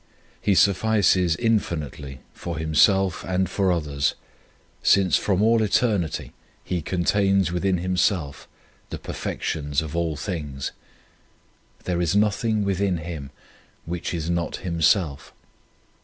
He suffices infinitely for Him self and for others, since from all 58 The Contemplation of God eternity He contains within Him self the perfections of all things. There is nothing within Him which is not Himself.